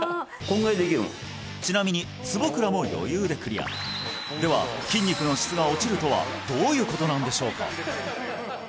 ちなみに坪倉も余裕でクリアでは筋肉の質が落ちるとはどういうことなんでしょうか？